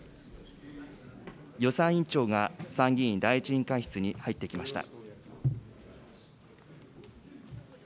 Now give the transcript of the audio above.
予算委員長が参議院第１委員会室に入ってきました。